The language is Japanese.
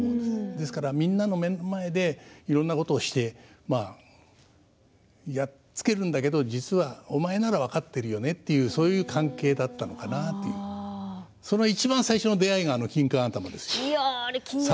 ですから、みんなの目の前でいろんなことをしてやっつけるんだけど実はお前ならば分かってるよねというそういう関係だったのかなというふうにそのいちばん最初の出会いがきんかん頭ですよ。